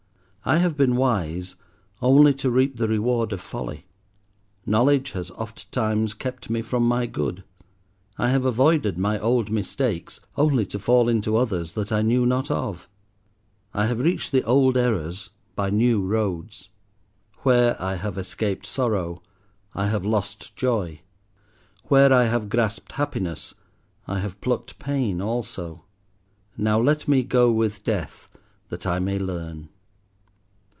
I have been wise only to reap the reward of folly. Knowledge has ofttimes kept me from my good. I have avoided my old mistakes only to fall into others that I knew not of. I have reached the old errors by new roads. Where I have escaped sorrow I have lost joy. Where I have grasped happiness I have plucked pain also. Now let me go with Death that I may learn.."